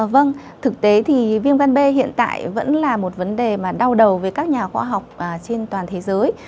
vâng thực tế thì viêm gan b hiện tại vẫn là một vấn đề mà đau đầu với các nhà khoa học trên toàn thế giới